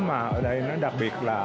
mà ở đây nó đặc biệt là